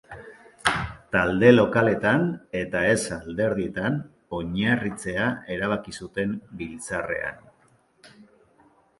Talde lokaletan eta ez alderdietan oinarritzea erabaki zuten biltzarrean.